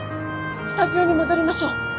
スタジオに戻りましょう。